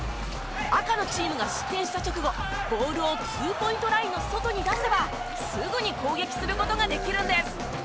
赤のチームが失点した直後ボールをツーポイントラインの外に出せばすぐに攻撃する事ができるんです。